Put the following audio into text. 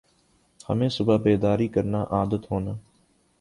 ہمیں صبح بیداری کرنا عادت ہونا